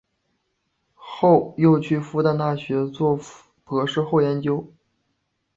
后又去复旦大学做博士后研究。